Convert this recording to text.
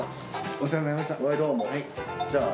お世話になりました。